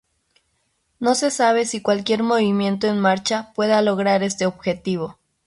No se sabe si cualquier movimiento en marcha pueda lograr este objetivo.